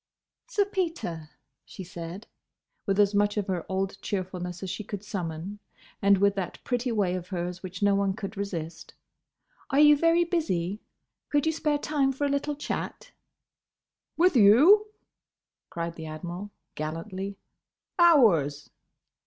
"Sir Peter," she said, with as much of her old cheerfulness as she could summon, and with that pretty way of hers which no one could resist, "Are you very busy? Could you spare time for a little chat?" "With you?" cried the Admiral, gallantly. "Hours!"